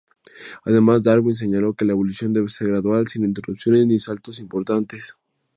Además, “Darwin señaló que la evolución debe ser gradual, sin interrupciones ni saltos importantes.